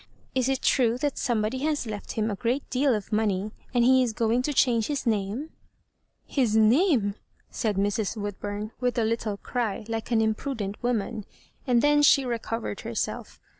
Is it trae that somebody has left him a great deal of money, and he is going to change his name ?"•* His name !" said Mrs. Woodburn, with a little cry, like an impradent woman; and then she recovered herself!